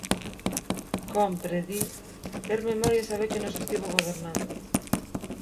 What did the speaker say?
Cómpre, di, "ter memoria e saber quen nos estivo gobernando".